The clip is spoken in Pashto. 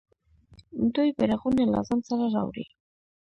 دوی بیرغونه له ځان سره راوړي.